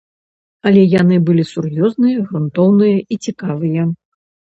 Але яны былі сур'ёзныя, грунтоўныя і цікавыя.